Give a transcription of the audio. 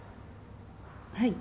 はい。